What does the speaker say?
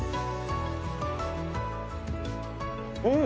うん！